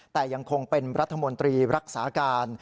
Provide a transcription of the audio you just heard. แต่ยังคงเป็นรัฐมนตรีรักษาการ